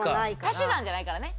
足し算じゃないからね。